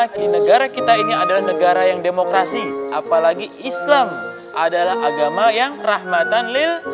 karena negara kita ini adalah negara yang demokrasi apalagi islam adalah agama yang rahmatan lil